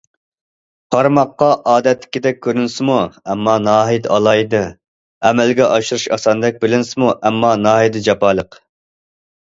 قارىماققا ئادەتتىكىدەك كۆرۈنسىمۇ، ئەمما ناھايىتى ئالاھىدە، ئەمەلگە ئاشۇرۇش ئاساندەك بىلىنسىمۇ، ئەمما ناھايىتى جاپالىق.